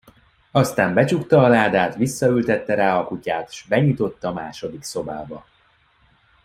Aztán becsukta a ládát, visszaültette rá a kutyát, s benyitott a második szobába.